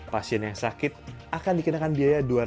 pasien yang sakit akan dikenakan biaya dua ratus hingga dua ratus dolar